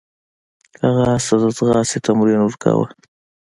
هغه اس ته د ځغاستې تمرین ورکاوه.